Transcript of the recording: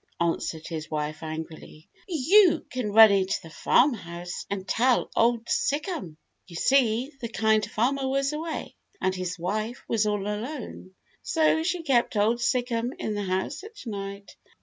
answered his wife angrily. "You can run into the farmhouse and tell Old Sic'em." You see, the Kind Farmer was away, and his wife was all alone, so she kept Old Sic'em in the house at night.